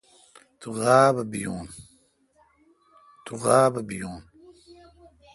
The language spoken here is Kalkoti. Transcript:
تو غاب بیون۔